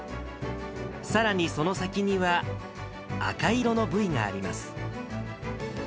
さらにその先には、赤色のブイがあります。